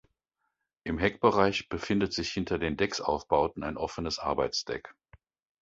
Im Heckbereich befindet sich hinter den Decksaufbauten ein offenes Arbeitsdeck.